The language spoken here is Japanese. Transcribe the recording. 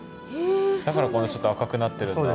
だからこれちょっと赤くなってるんだ。